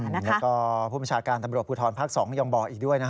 แล้วก็ผู้ประชาการตำรวจภูทธรภาค๒ย่อมบอกอีกด้วย